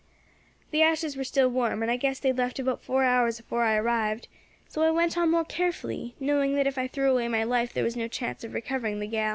"The ashes were still warm, and I guess they had left about four hours afore I arrived; so I went on more carefully, knowing that if I threw away my life there was no chance of recovering the gal.